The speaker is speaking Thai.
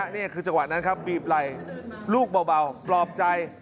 นี่คือจังหวะนั้นครับบีบไหล่ลูกเบาปลอบใจ